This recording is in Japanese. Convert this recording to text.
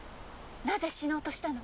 何故死のうとしたの？